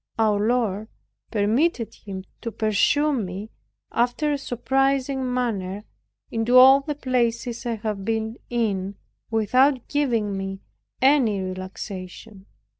Our Lord permitted him to pursue me, after a surprising manner, into all the places I have been in, without giving me any relaxation.